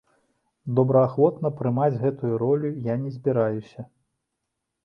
Добраахвотна прымаць гэтую ролю я не збіраюся.